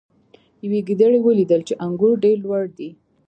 یوې ګیدړې ولیدل چې انګور ډیر لوړ دي.